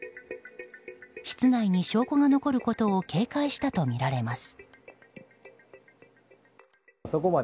室内に証拠が残ることを警戒したとみられます。